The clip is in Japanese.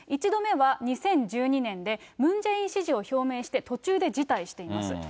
１度目は２０１２年で、ムン・ジェイン支持を表明して、途中で辞退しています。